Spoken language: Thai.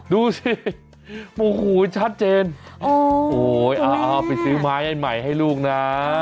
ดูสิหูชัดเจนโอ้โอ๊ยเอ่อไปซื้อไม้ใหม่ให้ลูกน่ะ